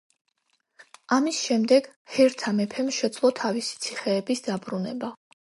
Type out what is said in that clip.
ამის შემდეგ ჰერთა მეფემ შეძლო თავისი ციხეების დაბრუნება.